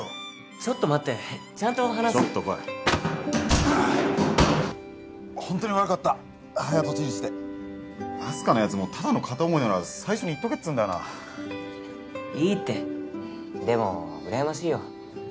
ちょっと待ってちゃんと話そちょっと来いホントに悪かった早とちりして明日香のやつもただの片思いなら最初に言っとけっつんだよないいってでも羨ましいよ